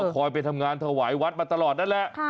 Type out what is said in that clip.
ไปทำงานถวายวัดมาตลอดนั่นแหละ